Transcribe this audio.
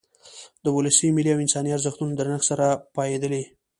د ولسي، ملي او انساني ارزښتونو له درنښت سره پاېدلی.